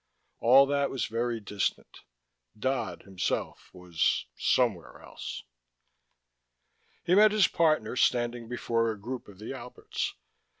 All that was very distant. Dodd, himself, was somewhere else. He met his partner standing before a group of the Alberts.